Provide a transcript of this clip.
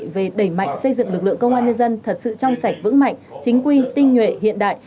về đẩy mạnh xây dựng lực lượng công an nhân dân thật sự trong sạch vững mạnh chính quy tinh nhuệ hiện đại